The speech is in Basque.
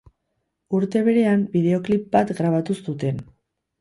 Urte berean bideoklip bat grabatu zuten.